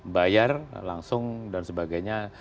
bayar langsung dan sebagainya